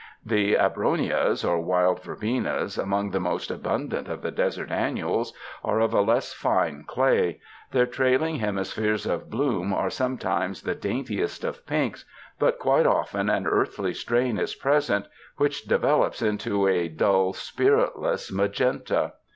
The abronias or wild verbenas, among the most abundant of the desert annuals, are of a less fine clay. Their trailing hemispheres of bloom are sometimes the daintiest of pinks, but quite often an earthy strain is present, which develops into a dull, 43 UNDER THE SKY IN CALIFORNIA spiritless magenta.